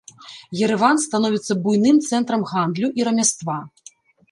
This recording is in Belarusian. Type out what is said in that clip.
Ерэван становіцца буйным цэнтрам гандлю і рамяства.